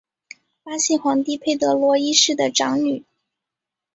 巴西皇帝佩德罗一世的长女。